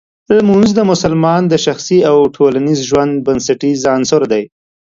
لمونځ د مسلمان د شخصي او ټولنیز ژوند بنسټیز عنصر دی.